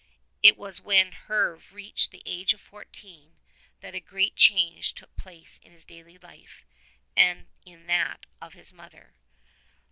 It was when Herve reached the age of fourteen that a great change took place in his daily life and in that of his mother.